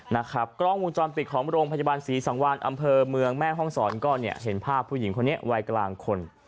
นะครับกล้องวงจรปิดของโรงพยาบาลศรีสังวานอำเภอเมืองแม่ห้องศรก็เนี่ยเห็นภาพผู้หญิงคนนี้วัยกลางคน